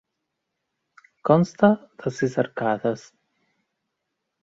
Consta de sis arcades.